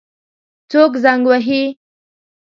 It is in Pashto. څوک زنګ وهي؟